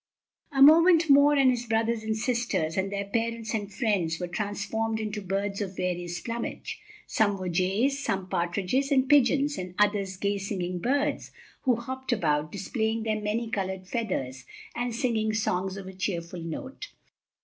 A moment more and his brothers and sisters, and their parents and friends, were transformed into birds of various plumage. Some were jays, some partridges and pigeons, and others gay singing birds, who hopped about displaying their many colored feathers and singing songs of cheerful note.